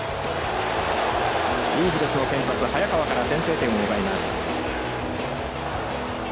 イーグルスの先発早川から先制点を奪います。